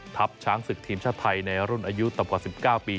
ช้างศึกทีมชาติไทยในรุ่นอายุต่ำกว่า๑๙ปี